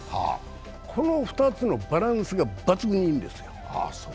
この２つのバランスが抜群にいいんですよ。